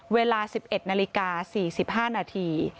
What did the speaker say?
เวลา๑๑นาฬิกา๔๕นาที